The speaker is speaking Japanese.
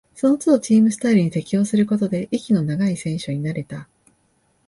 そのつどチームスタイルに適応することで、息の長い選手になれた